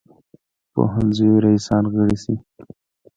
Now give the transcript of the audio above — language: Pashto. پوهنځیو رییسان غړي شي.